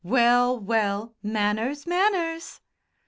Well, well! Manners, manners!"